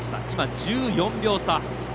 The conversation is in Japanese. １４秒差。